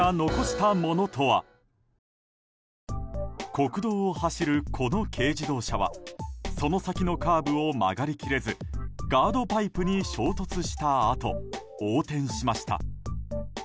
国道を走る、この軽自動車はその先のカーブを曲がり切れずガードパイプに衝突したあと横転しました。